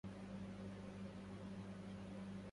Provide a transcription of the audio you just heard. أهلا بداعي إلهي